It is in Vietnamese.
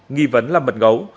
nghị vấn là mật gấu